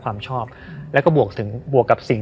เพื่อที่จะให้แก้วเนี่ยหลอกลวงเค